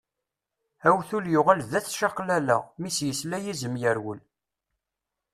Awtul yuɣal d at čaqlala, mi s-yesla yizem yerwel.